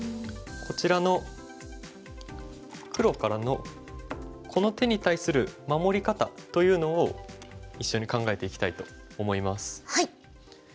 こちらの黒からのこの手に対する守り方というのを一緒に考えていきたいと思います。